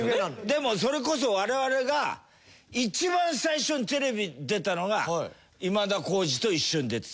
でもそれこそ我々が一番最初にテレビに出たのが今田耕司と一緒に出てた。